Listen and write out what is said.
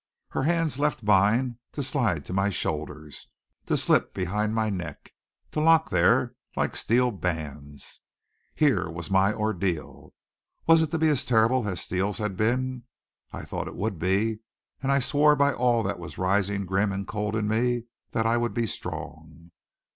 Her hands left mine to slide to my shoulders, to slip behind my neck, to lock there like steel bands. Here was my ordeal. Was it to be as terrible as Steele's had been? I thought it would be, and I swore by all that was rising grim and cold in me that I would be strong.